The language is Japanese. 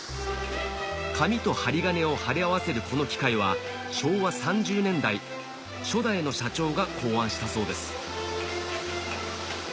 紙と針金を貼り合わせるこの機械は昭和３０年代初代の社長が考案したそうです